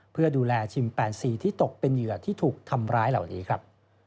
เพื่อดูแลชิม๘๔ที่ตกเป็นเหยื่อที่ถูกทำร้ายเหล่านี้ครับ